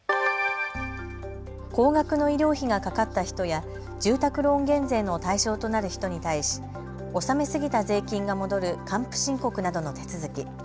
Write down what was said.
高額の医療費がかかった人や住宅ローン減税の対象となる人に対し納め過ぎた税金が戻る還付申告などの手続き。